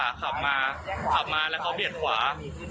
รถก็มาขับมาและเขาเบียดขวา